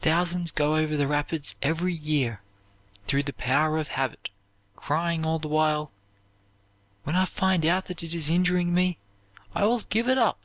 "Thousands go over the rapids every year, through the power of habit, crying all the while, 'When I find out that it is injuring me, I will give it up!'"